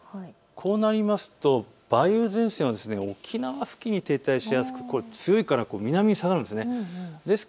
こうなりますと梅雨前線は沖縄付近に停滞しやすく南に下がるんです。